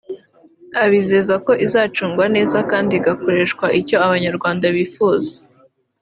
babizeza ko izacungwa neza kandi igakoreshwa icyo Abanyarwanda bifuza